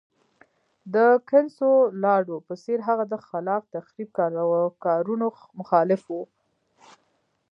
د کنسولاډو په څېر هغه د خلاق تخریب کارونو مخالف و.